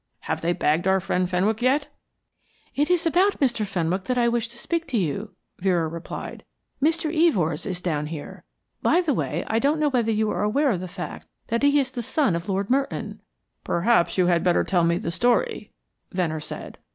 Have they bagged our friend Fenwick yet?" "It is about Mr. Fenwick that I wish to speak to you," Vera replied. "Mr. Evors is down here. By the way, I don't know whether you are aware of the fact that he is the son of Lord Merton." "Perhaps you had better tell me the story," Venner said.